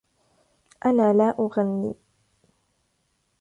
أنا لا أغني.